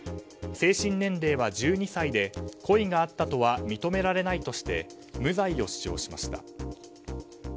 精神年齢は１２歳で故意があったとは認められないとして無罪を主張しました。